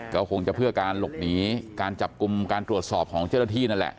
ก็คงจะเพื่อการหลบหนีการจับกลุ่มการตรวจสอบของเจ้าหน้าที่นั่นแหละ